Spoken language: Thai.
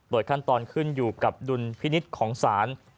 ขั้นตอนขึ้นอยู่กับดุลพินิษฐ์ของศาล